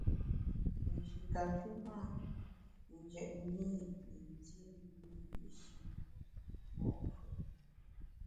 Nji kapi mâ njetne i yin dié wiyi’shi mo’ fù’.